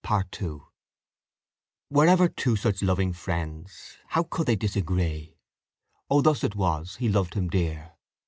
CHAPTER II Were ever two such loving friends! How could they disagree? Oh, thus it was, he loved him dear.